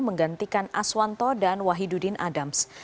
menggantikan aswanto dan wahidudin adams